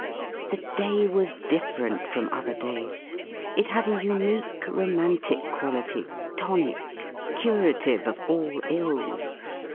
The day was different from other days ; it had a unique romantic quality, tonic, curative of all ills.